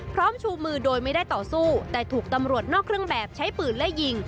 ชูมือโดยไม่ได้ต่อสู้แต่ถูกตำรวจนอกเครื่องแบบใช้ปืนและยิง